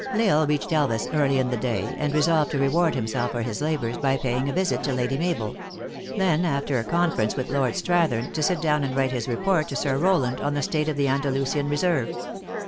L Isle reached Elvas early in the day, and resolved to reward himself for his labors, by paying a visit to Lady Mabel ; then after a conference with Lord Strathern, to sit down and write his report to Sir Rowland, on the state of the Andalusian reserve.